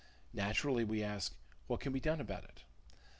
Naturally, we ask, what can be done about it?